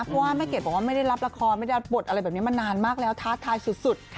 เพราะว่าแม่เกดบอกว่าไม่ได้รับละครไม่ได้รับบทอะไรแบบนี้มานานมากแล้วท้าทายสุด